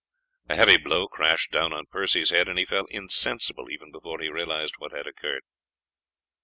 A heavy blow crashed down on Percy's head, and he fell insensible even before he realized what had occurred.